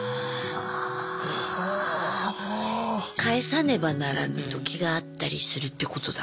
帰さねばならぬときがあったりするってことだ。